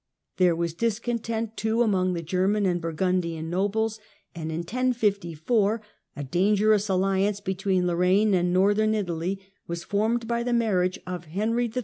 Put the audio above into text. There was discontent, too, among the German and Burgundian nobles, and in 1054 a dangerous alliance between Lorraine and Northern Italy was formed by the marriage of Henry III.'